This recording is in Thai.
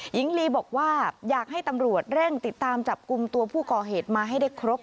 หญิงลีบอกว่าอยากให้ตำรวจเร่งติดตามจับกลุ่มตัวผู้ก่อเหตุมาให้ได้ครบ